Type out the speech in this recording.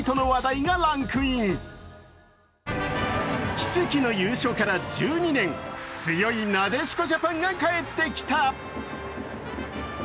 奇跡の優勝から１２年、強いなでしこジャパンが帰ってきた。